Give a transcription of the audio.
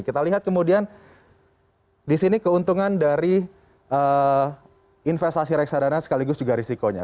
kita lihat kemudian di sini keuntungan dari investasi reksadana sekaligus juga risikonya